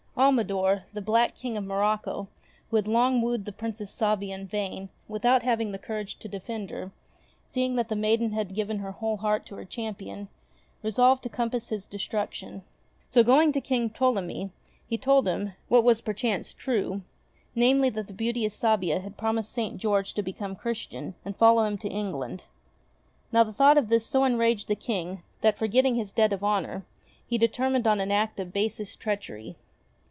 Almidor, the black King of Morocco, who had long wooed the Princess Sabia in vain, without having the courage to defend her, seeing that the maiden had given her whole heart to her champion, resolved to compass his destruction. So, going to King Ptolemy, he told him — what was perchance true — namely that the beauteous Sabia had promised St. George to become Christian, and follow him to England. Now the thought of this so enraged the King that, forgetting his debt of honour, he determined on an act of basest treachery.